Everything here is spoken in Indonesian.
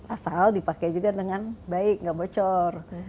asal dipakai juga dengan baik nggak bocor